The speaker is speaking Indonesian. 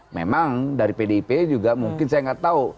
memang dari pdp juga mungkin saya tidak tahu